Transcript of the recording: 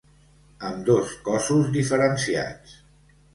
Amb dos cossos diferenciats.